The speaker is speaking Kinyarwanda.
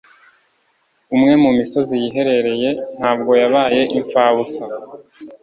umwe mu misozi yiherereye ntabwo yabaye impfabusa.